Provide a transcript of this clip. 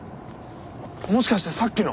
もしかしてさっきの？